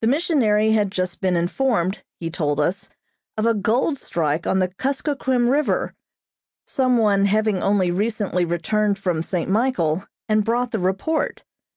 The missionary had just been informed, he told us, of a gold strike on the Kuskokquim River, some one having only recently returned from St. Michael, and brought the report.